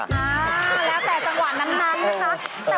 อ่าแล้วแต่จังหวะนั้นนะคะ